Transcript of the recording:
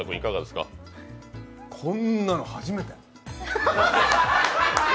こんなの初めて！